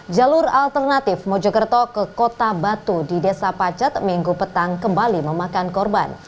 jalur alternatif mojokerto ke kota batu di desa pacet minggu petang kembali memakan korban